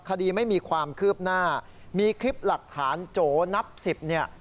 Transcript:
คดีไม่มีความคืบหน้ามีคลิปหลักฐานโจนับสิบเนี่ย